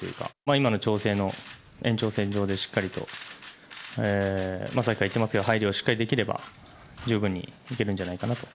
今の調整の延長線上でしっかりとさっきから言ってますが、入りをしっかりできれば、十分にいけるんじゃないかなと。